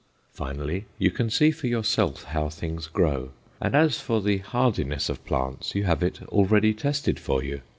Finally, you can see for yourself how things grow, and as for the hardiness of plants, you have it already tested for you.